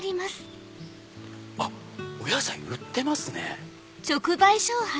あっお野菜売ってますね。